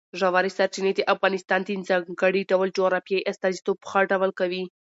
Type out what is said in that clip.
ژورې سرچینې د افغانستان د ځانګړي ډول جغرافیې استازیتوب په ښه ډول کوي.